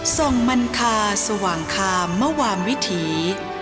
ส่งมันคาสว่างคามมวามวิถี